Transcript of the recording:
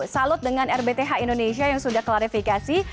salut dengan rbth indonesia yang sudah klarifikasi